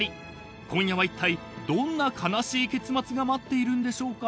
［今夜はいったいどんな悲しい結末が待っているんでしょうか］